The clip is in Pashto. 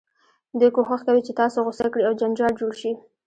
دوی کوښښ کوي چې تاسو غوسه کړي او جنجال جوړ شي.